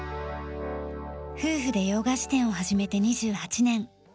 夫婦で洋菓子店を始めて２８年。